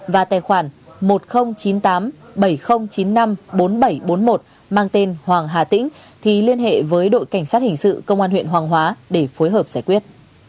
và tài khoản một nghìn chín mươi tám bảy nghìn chín mươi năm bốn nghìn bảy trăm bốn mươi một mang tên hoàng hà tĩnh thì liên hệ với đội cảnh sát hình sự công an huyện hoàng hóa để phối hợp giải quyết